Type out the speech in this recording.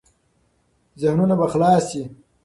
ذهنونه به خلاص شي.